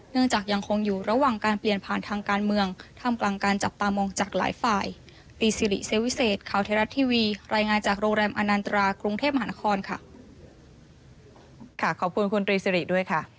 เนื่องจากยังคงอยู่ระหว่างการเปลี่ยนผ่านทางการเมืองทำกลางการจับตามองจากหลายฝ่าย